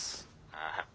ああ。